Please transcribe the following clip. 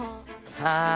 はい。